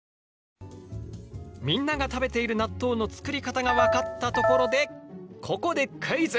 みんなが食べている納豆の作り方が分かったところでここでクイズ！